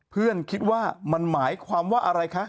คิดว่ามันหมายความว่าอะไรคะ